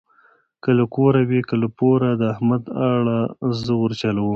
که له کوره وي که له پوره د احمد اړه زه ورچلوم.